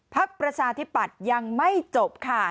ภาคประชาธิบัติยังไม่จบค่ะ